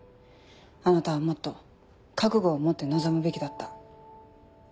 あなたはもっと覚悟を持って臨むべきだった。